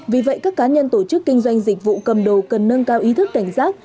vì vậy các cá nhân tổ chức kinh doanh dịch vụ cầm đồ cần nâng cao ý thức cảnh giác